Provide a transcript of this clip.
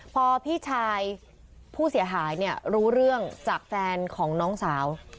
พอพี่ชายผู้เสียหายเนี่ยรู้เรื่องจากแฟนของน้องสาว